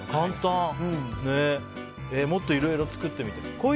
もっといろいろ作ってみたい。